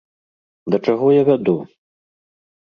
Да чаго я вяду?